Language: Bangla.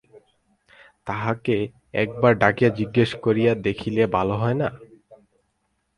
তাঁহাকে একবার ডাকিয়া জিজ্ঞাসা করিয়া দেখিলে ভালো হয় না?